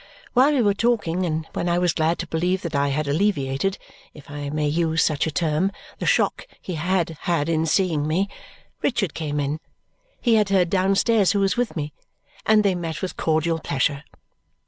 While we were talking, and when I was glad to believe that I had alleviated (if I may use such a term) the shock he had had in seeing me, Richard came in. He had heard downstairs who was with me, and they met with cordial pleasure.